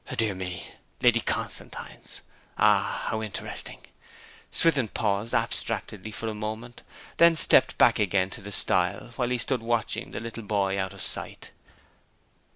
'Dear me! Lady Constantine's ah, how interesting!' Swithin paused abstractedly for a moment, then stepped back again to the stile, while he stood watching the little boy out of sight.